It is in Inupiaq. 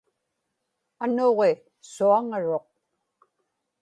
anuġi suaŋaruq